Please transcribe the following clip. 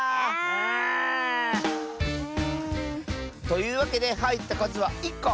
というわけではいったかずは１こ。